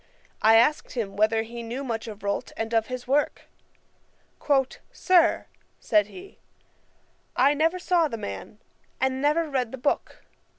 I asked him whether he knew much of Rolt, and of his work. 'Sir, (said he) I never saw the man, and never read the book.